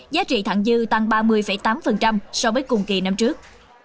giá trị thẳng dư tăng ba mươi tám so với cùng kỳ năm trước